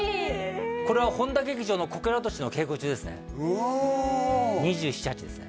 これは本多劇場のこけら落としの稽古中ですね２７２８ですね